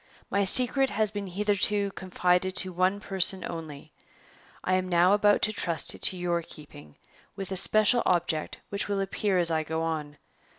My secret has been hitherto confided to one person only; I am now about to trust it to your keeping, with a special object which will appear as I go on.